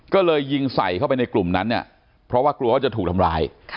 ก็เลยยิงใส่เข้าไปในกลุ่มนั้นเนี่ยเพราะว่ากลัวว่าจะถูกทำร้าย